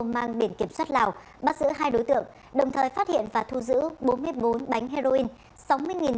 mang biển kiểm soát lào bắt giữ hai đối tượng đồng thời phát hiện và thu giữ bốn mươi bốn bánh heroin